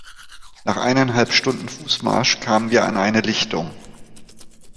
Nach eineinhalb Stunden Fußmarsch kamen wir an eine Lichtung.